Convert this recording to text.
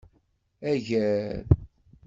Agar.